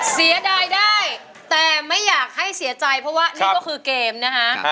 เสียดายได้แต่ไม่อยากให้เสียใจเพราะว่านี่ก็คือเกมนะคะ